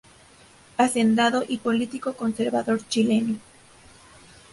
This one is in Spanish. Hacendado y político conservador chileno.